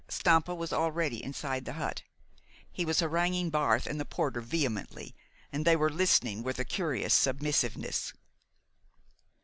Stampa was already inside the hut. He was haranguing Barth and the porter vehemently, and they were listening with a curious submissiveness.